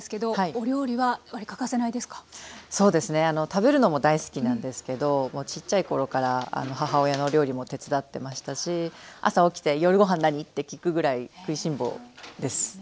食べるのも大好きなんですけどちっちゃい頃から母親の料理も手伝ってましたし朝起きて「夜ご飯何？」って聞くぐらい食いしん坊です。